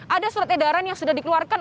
ada surat edaran yang sudah dikeluarkan